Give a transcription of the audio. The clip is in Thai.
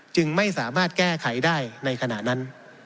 จึงไม่สามารถแก้ไขได้ในขณะนั้น